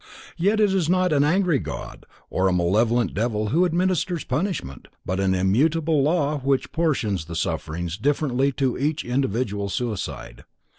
Yet it is not an angry God or a malevolent devil who administers punishment, but an immutable law which proportions the sufferings differently to each individual suicide.